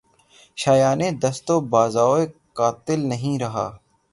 شایانِ دست و بازوےٴ قاتل نہیں رہا